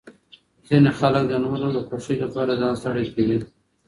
ځینې خلک د نورو د خوښۍ لپاره ځان ستړی کوي.